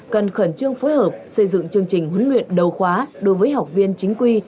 cần khẩn trương phối hợp xây dựng chương trình huấn luyện đầu khóa đối với học viên chính quy